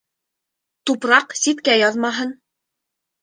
Тупраҡ ситкә яҙмаһын.